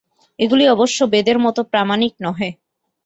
এগুলি অবশ্য বেদের মত প্রামাণিক নহে।